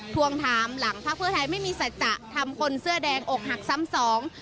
ทวงถามหลังพักเพื่อไทยไม่มีสัจจะทำคนเสื้อแดงอกหักซ้ำสอง